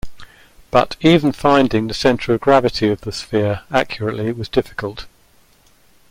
But even finding the center of gravity of the sphere accurately was difficult.